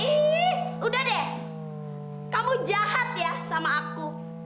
ih udah deh kamu jahat ya sama aku